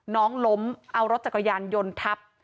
น้องล้มเอารถจักรยานยนทรัพย์